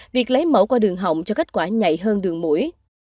việc lấy mẫu qua đường hỏng cho kết quả nhạy hơn đường mũi